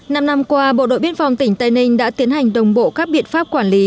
năm năm qua bộ đội biên phòng tỉnh tây ninh đã tiến hành đồng bộ các biện pháp quản lý